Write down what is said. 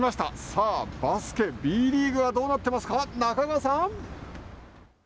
さあ、バスケＢリーグはどうなってますか？